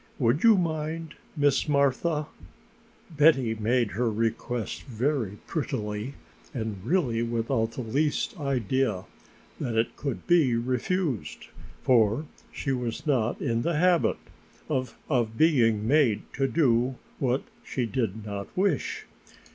Would you mind, Miss Martha?" Betty made her request very prettily and really without the least idea that it could be refused, for she was not in the habit of being made to do what she did not wish.